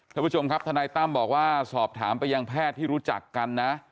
ท่านผู้ชมครับทนายตั้มบอกว่าสอบถามไปยังแพทย์ที่รู้จักกันนะ